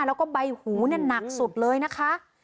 แล้วก็ใบหูเนี่ยหนักสุดเลยนะคะ